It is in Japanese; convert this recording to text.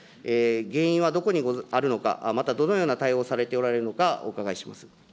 原因はどこにあるのか、また、どのような対応をされておられるのか、お伺いします。